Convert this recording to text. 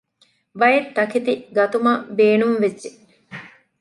ބައެއްތަކެތި ގަތުމަށް ބޭނުންވެއްޖެ